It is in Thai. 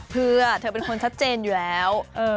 เพื่อเธอเป็นคนชัดเจนอยู่แล้ว